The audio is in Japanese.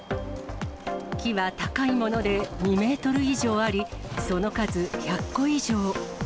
木は高いもので２メートル以上あり、その数１００個以上。